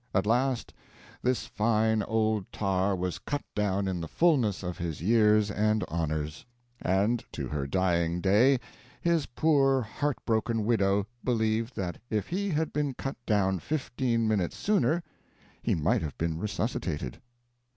At last this fine old tar was cut down in the fulness of his years and honors. And to her dying day, his poor heart broken widow believed that if he had been cut down fifteen minutes sooner he might have been resuscitated.